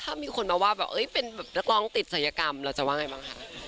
ถ้ามีคนมาว่าแบบเป็นแบบนักร้องติดศัยกรรมเราจะว่าไงบ้างคะ